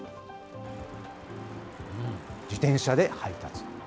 自転車で配達。